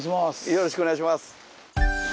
よろしくお願いします。